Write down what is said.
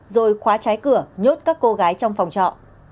rồi khóa trái cửa nhốt các cô gái trong phòng trọ